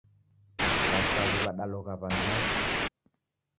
W'asaw'i w'adalogha w'andu nakio